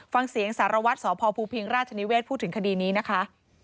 ฟังเสียงสารวัตรสพภูพิงราชนิเวศพูดถึงคดีนี้นะคะ